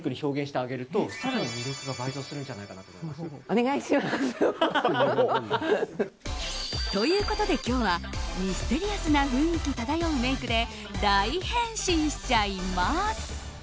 お願いします！ということで、今日はミステリアスな雰囲気漂うメイクで大変身しちゃいます！